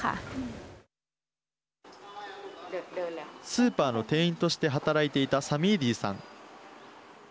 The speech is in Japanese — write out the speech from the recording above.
スーパーの店員として働いていたサミーディーさん。